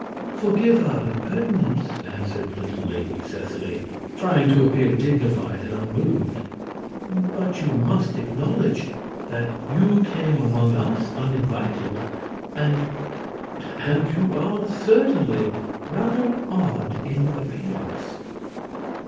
"Forgive our impertinence," answered the little Lady Seseley, trying to appear dignified and unmoved; "but you must acknowledge that you came among us uninvited, and and you are certainly rather odd in appearance."